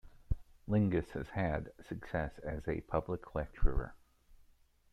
Lingis has had success as a public lecturer.